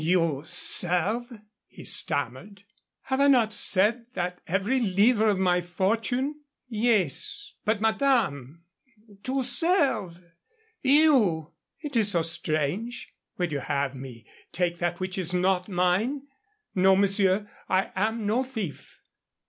"You serve ?" he stammered. "Have I not said that every livre of my fortune " "Yes. But, madame to serve! you! " "Is it so strange? Would you have me take that which is not mine? No, monsieur, I am no thief."